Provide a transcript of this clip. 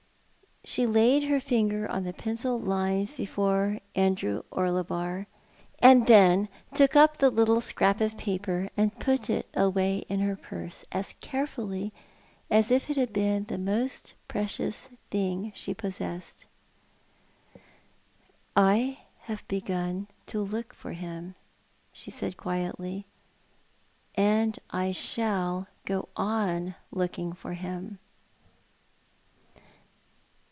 "' She laid her finger on the pencilled lines before Andrew Orlebar, and then took up the little scrap of i^aper and i)ut it away in her purse as carefully as if it had been the most precious thing she possessed. " I have begun to look for him," she said, quietly, " and I shall go on looking for him."